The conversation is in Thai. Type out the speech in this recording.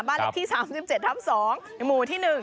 บ้านเลขที่๓๗ทับ๒หมู่ที่๑